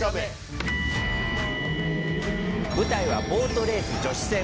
舞台はボートレース女子戦。